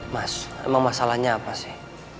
mas emang masalahnya apa sih